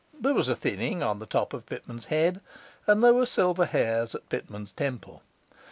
There was a thinning on the top of Pitman's head, there were silver hairs at Pitman's temple.